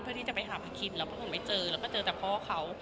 เพื่อที่จะไปหาภาคินเราก็คงไม่เจอแล้วก็เจอจากพ่อเขา